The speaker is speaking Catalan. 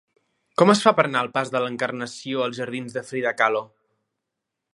Com es fa per anar del pas de l'Encarnació als jardins de Frida Kahlo?